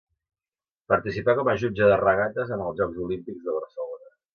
Participà com a jutge de regates en els Jocs Olímpics de Barcelona.